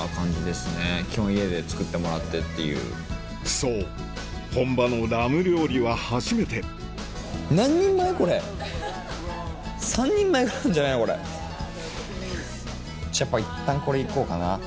そう本場のラム料理は初めていったんこれいこうかな。